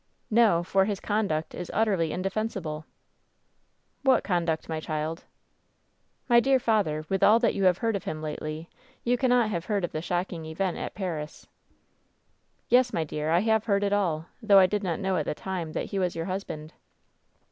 " 'No ; for his conduct is utterly indefensible/ " 'What conduct, my child V '' 'My dear father, with all that you have heard of him lately, you cannot have heard of the shocking event at Paris.' " 'Yes, my dear, I have heard it all — ^though I did not know at the time that he was your husband.'